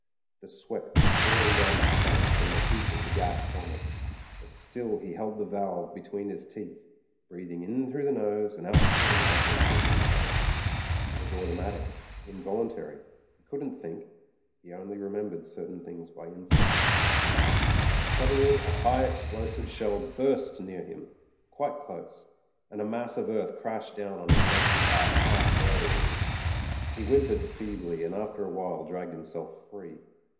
The sweat was pouring down his face from the heat of the gas helmet, but still he held the valve between his teeth, breathing in through the nose and out through the mouth as he had been told. It was automatic, involuntary; he couldn't think, he only remembered certain things by instinct Suddenly a high explosive shell burst near Wm — quite close : and a mass of earth crashed down on his legs and back, half burying him. He whimpered feebly, and after a while dragged himself free.